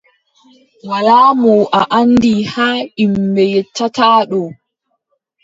Walaa mo a anndi, haa ƴimɓe yeccata ɗo,